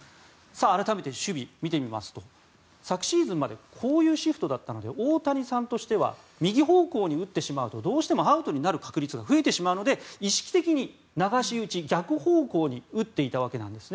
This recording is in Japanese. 改めて、守備見てみますと昨シーズンまでこういうシフトだったので大谷さんとしては右方向に打ってしまうとどうしてもアウトになってしまう確率が増えてしまうので意識的に流し打ち逆方向に打っていたわけです。